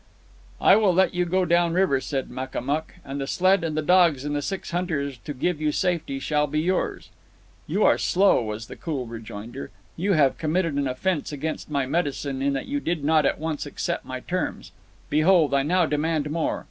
"I will let you go down river," said Makamuk; "and the sled and the dogs and the six hunters to give you safety shall be yours." "You are slow," was the cool rejoinder. "You have committed an offence against my medicine in that you did not at once accept my terms. Behold, I now demand more.